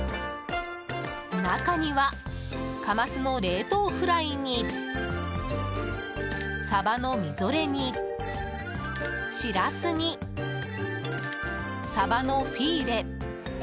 中には、カマスの冷凍フライにサバのみぞれ煮シラスに、サバのフィーレ。